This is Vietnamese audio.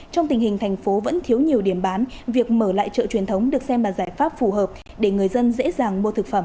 trong tình hình thành phố vẫn thiếu nhiều điểm bán việc mở lại chợ truyền thống được xem là giải pháp phù hợp để người dân dễ dàng mua thực phẩm